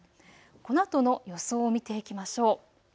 このあとの予想を見ていきましょう。